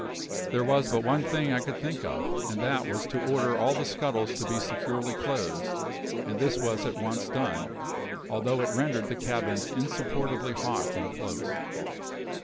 There was but one thing I could think of, and that was to order all the scuttles to be securely closed, and this was at once done, although it rendered the cabins insupportably hot and close.